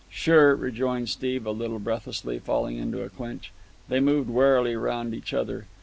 "Sure," rejoined Steve a little breathlessly, falling into a clinch. They moved warily round each other.